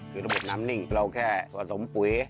คือระบบน้ำนิ่งเราแค่ผสมปุ๋ย